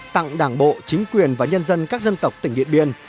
tặng đảng bộ chính quyền và nhân dân các dân tộc tỉnh điện biên